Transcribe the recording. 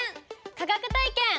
科学体験！